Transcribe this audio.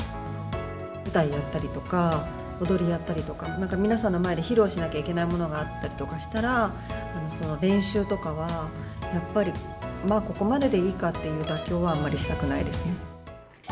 舞台やったりとか、踊りやったりとか、なんか、皆さんの前で披露しなきゃいけないものがあったりとかしたら、その練習とかはやっぱり、まあ、ここまででいいかっていう妥協はあまりしたくないですね。